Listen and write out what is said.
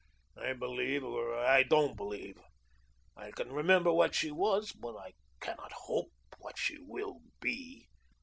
I believe, or I don't believe. I can remember what she WAS, but I cannot hope what she will be.